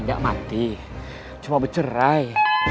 enggak mati cuma bercerai